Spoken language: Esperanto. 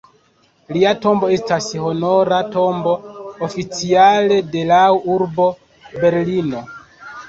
Lia tombo estas honora tombo oficiale de lau urbo Berlino.